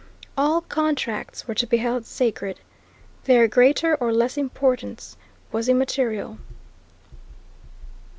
All contracts were to be held sacred. Their greater or less importance was immaterial.